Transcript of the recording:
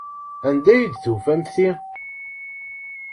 Anda ay d-tufam ti?